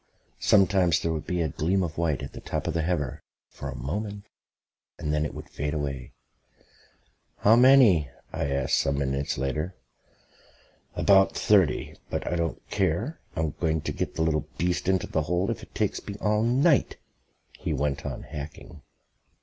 Sometimes there would be a gleam of white at the top of the heather for a moment and then it would fade away. "How many?" I asked some minutes later. "About thirty. But I don't care, I'm going to get the little beast into the hole if it takes me all night." He went on hacking.